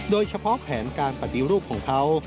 โดยเฉพาะแผนการปฏิรูปของเขา